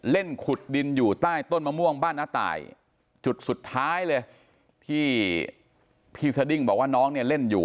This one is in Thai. เล่นขุดดินอยู่ใต้ต้นมะม่วงบ้านน้าตายจุดสุดท้ายเลยที่พี่สดิ้งบอกว่าน้องเนี่ยเล่นอยู่